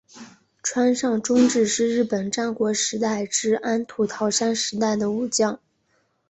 川上忠智是日本战国时代至安土桃山时代的武将。